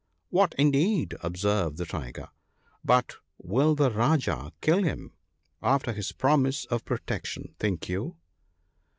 " What, indeed !" observed the Tiger ;" but will the Rajah kill him after his promise of protection, think you